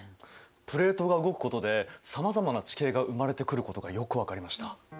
プレートが動くことでさまざまな地形が生まれてくることがよく分かりました。